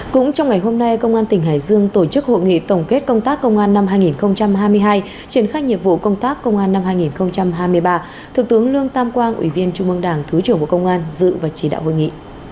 cũng trong ngày hôm nay công an tỉnh hải dương tổ chức hội nghị tổng kết công tác công an năm hai nghìn hai mươi hai triển khai nhiệm vụ công tác công an năm hai nghìn hai mươi ba thượng tướng lương tam quang ủy viên trung mương đảng thứ trưởng bộ công an dự và chỉ đạo hội nghị